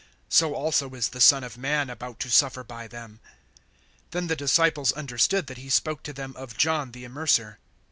So also is the Son of man about to suffer by them. (13)Then the disciples understood that he spoke to them of John the Immerser.